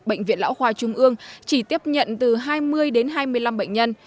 bệnh viện lão khoa trung ương chỉ tiếp nhận từ hai mươi đến hai mươi năm bệnh nhân